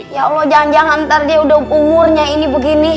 ya allah jangan jangan ntar dia udah umurnya ini begini